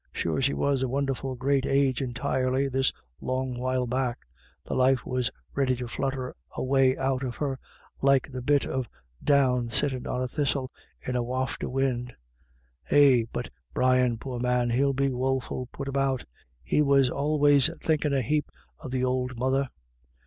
Sure she was a wonderful great age entirely this long while back. The life was ready to flutther away out of her like the bit of down sittin' on a thistle in a waft of win. "Eh, but Brian, poor man, he'll be woful put about He was always thinkin' a hape of th'ould mother.